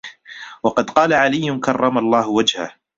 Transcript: وَقَدْ قَالَ عَلِيٌّ كَرَّمَ اللَّهُ وَجْهَهُ